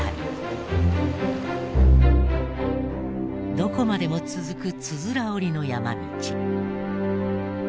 どこまでも続くつづら折りの山道。